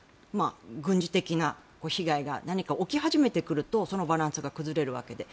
軍事的な被害が何か起き始めてくるとそのバランスが崩れるわけで。